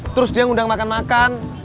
terus dia ngundang makan makan